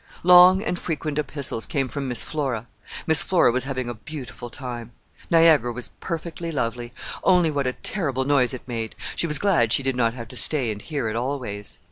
Long and frequent epistles came from Miss Flora. Miss Flora was having a beautiful time. Niagara was perfectly lovely—only what a terrible noise it made! She was glad she did not have to stay and hear it always.